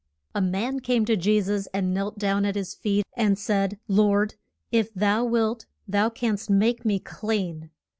A man came to Je sus and knelt down at his feet and said, Lord, if thou wilt thou canst make me clean.